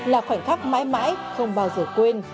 là khoảnh khắc mãi mãi không bao giờ quên